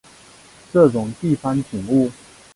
这种地方景物